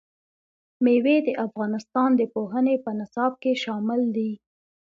مېوې د افغانستان د پوهنې په نصاب کې شامل دي.